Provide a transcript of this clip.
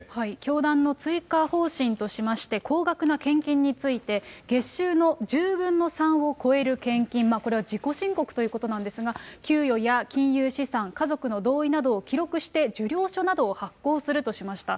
それから、教団の追加方針としまして、高額な献金について、月収の１０分の３を超える献金、これは自己申告ということなんですが、給与や金融資産、家族の同意などを記録して、受領書などを発行するとしました。